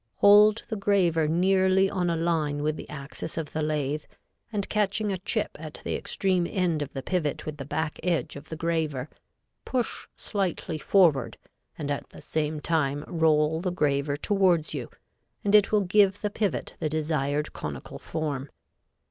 Hold the graver nearly on a line with the axis of the lathe and catching a chip at the extreme end of the pivot with the back edge of the graver, push slightly forward and at the same time roll the graver towards you and it will give the pivot the desired conical form.